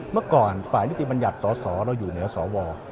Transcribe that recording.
เมื่อก่อนฝ่ายนิติบัญญัติสอสอเราอยู่เหนือสว